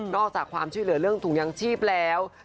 อกจากความช่วยเหลือเรื่องถุงยางชีพแล้ว